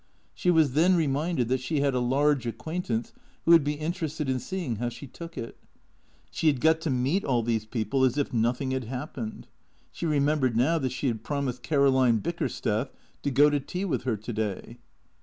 She was then reminded that she had a large acquaintance who would be inter ested in seeing how she took it. She had got to meet all these people as if nothing had happened. She remembered now that she had promised Caroline Bickersteth to go to tea with her to day.